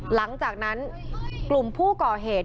หลังจากนั้นกลุ่มผู้ก่อเหตุ